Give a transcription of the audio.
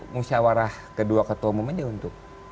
musyawarah kedua ketua umumnya untuk